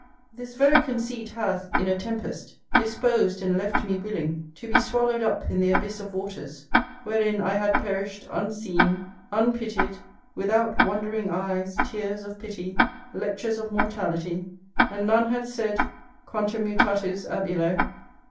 This very conceit hath, in a tempest, disposed and left me willing to be swallowed up in the abyss of waters, wherein I had perished unseen, unpitied, without wondering eyes, tears of pity, lectures of mortality, and none had said, "_Quantum mutatus ab illo!